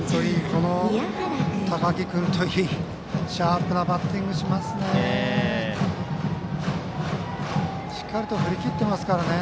この高木君といいシャープなバッティングしますね。